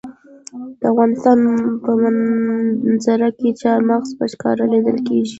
د افغانستان په منظره کې چار مغز په ښکاره لیدل کېږي.